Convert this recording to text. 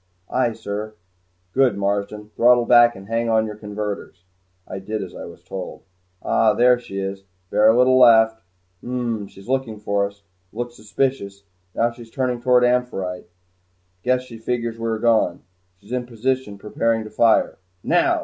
"Aye, sir." "Good, Marsden, throttle back and hang on your converters." I did as I was told. "Ah there she is bear left a little. Hmm she's looking for us looks suspicious. Now she's turning toward 'Amphitrite.' Guess she figures we are gone. She's in position preparing to fire. _Now!